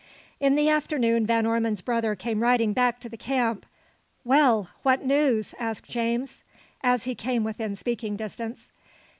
In the afternoon Van Ormon's brother came riding back to the camp. "Well! what news?" asked James, as he came within speaking distance.